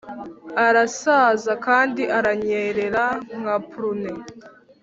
arasaza kandi aranyerera nka prune.